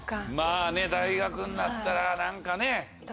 まぁね大学になったら何かね。